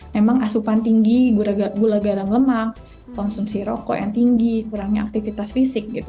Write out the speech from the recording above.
memang asupan tinggi gula garam lemak konsumsi rokok yang tinggi kurangnya aktivitas fisik gitu